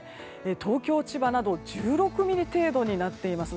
東京、千葉など１６ミリ程度になっています。